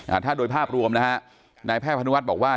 อ่าถ้าโดยภาพรวมนะฮะนายแพทย์พนุวัฒน์บอกว่า